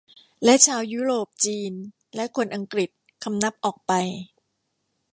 และชาวยุโรปจีนและคนอังกฤษคำนับออกไป